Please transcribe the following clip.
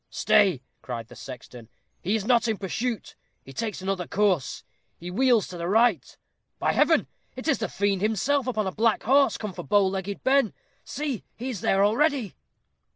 "Stay," cried the sexton. "He is not in pursuit he takes another course he wheels to the right. By Heaven! it is the Fiend himself upon a black horse, come for Bow legged Ben. See, he is there already."